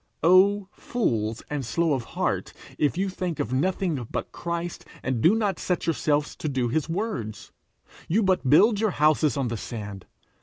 Oh fools and slow of heart, if you think of nothing but Christ, and do not set yourselves to do his words! you but build your houses on the sand.